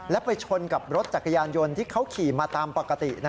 และไปชนกับรถจักรยานยนต์ที่เขาขี่มาตามปกติ